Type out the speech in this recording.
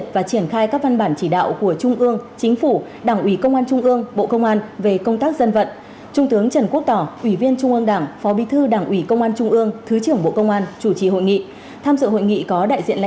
thời gian qua công tác dân vận của lực lượng công an nhân dân